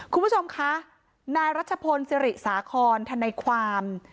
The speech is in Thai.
คุณผู้ชมคะนายรัชพลศิริสาคอนทนายความ